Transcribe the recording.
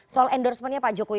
soal endorsementnya pak jokowi